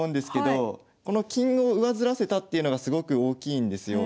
確かにこれはこの金を上ずらせたっていうのがすごく大きいんですよ。